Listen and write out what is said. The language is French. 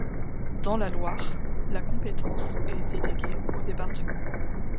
Dans la Loire, la compétence est délégué au département.